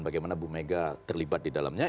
bagaimana bumega terlibat di dalamnya